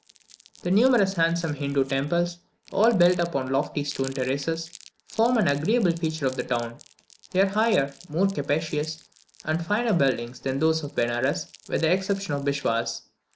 The numerous handsome Hindoo temples, all built upon lofty stone terraces, form an agreeable feature of the town. They are higher, more capacious, and finer buildings than those of Benares, with the exception of the Bisvishas.